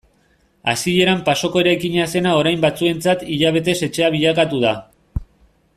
Hasieran pasoko eraikina zena orain batzuentzat hilabetez etxea bilakatu da.